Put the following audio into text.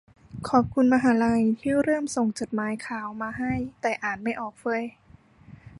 ขอบคุณมหาลัยที่เริ่มส่งจดหมายข่าวมาให้ แต่อ่านไม่ออกเฟ้ย